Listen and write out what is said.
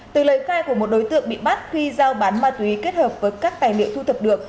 từ lời khai của một đối tượng bị bắt khi giao bán ma túy kết hợp với các tài liệu thu thập được